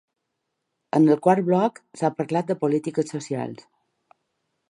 En el quart bloc s’ha parlat de polítiques socials.